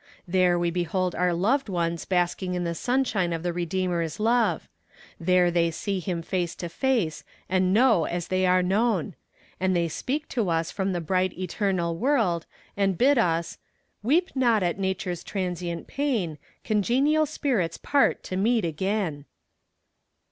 There we behold our loved ones basking in the sunshine of the Redeemer's love there they see Him face to face, and know as they are known. And they speak to us from the bright eternal world, and bid us Weep not at nature's transient pain; Congenial spirits part to meet again.